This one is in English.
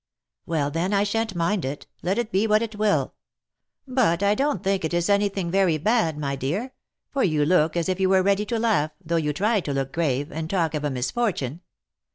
" Well, then I shan't mind it ; let it be what it will. But I don't think it is any thing very bad, my dear; for you look as if you were ready to laugh, though you try to look grave, and talk of a misfortune."